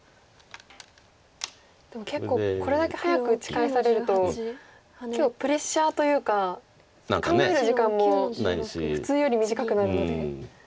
でも結構これだけ早く打ち返されるとプレッシャーというか考える時間も普通より短くなるので。